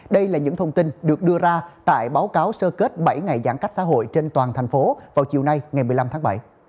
đây là những thông tin được đưa ra tại báo cáo sơ kết bảy ngày giãn cách xã hội trên toàn thành phố vào chiều nay ngày một mươi năm tháng bảy